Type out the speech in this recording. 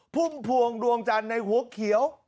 พุ่มพวงดวงจันทร์ในหัวเขียว